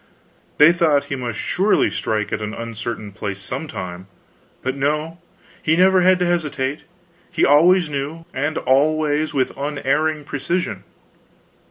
They thought he must surely strike an uncertain place some time; but no, he never had to hesitate, he always knew, and always with unerring precision.